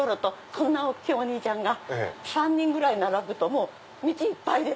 こんな大っきいお兄ちゃんが３人ぐらい並ぶと道いっぱいで。